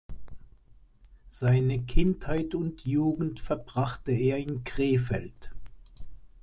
Seine Kindheit und Jugend verbrachte er in Krefeld.